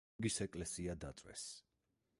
გიორგის ეკლესია დაწვეს.